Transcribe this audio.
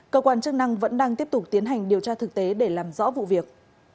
cơ quan chức năng vẫn đang tiếp tục tiến hành điều tra thực tế để làm rõ vụ việc